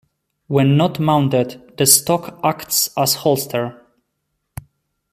When not mounted, the stock acts as a holster.